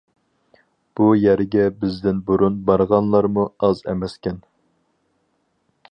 بۇ يەرگە بىزدىن بۇرۇن بارغانلارمۇ ئاز ئەمەسكەن.